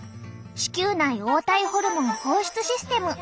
子宮内黄体ホルモン放出システム。